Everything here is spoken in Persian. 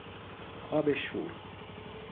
آب شور